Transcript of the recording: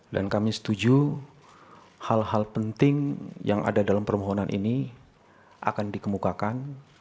dan kami setuju hal hal penting yang ada dalam permohonan ini akan dikemukakan